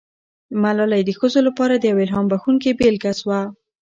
ملالۍ د ښځو لپاره یوه الهام بښونکې بیلګه سوه.